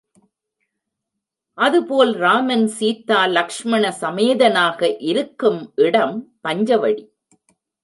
அதுபோல் ராமன் சீதா லக்ஷ்மண சமேதனாக இருக்கும் இடம் பஞ்சவடி.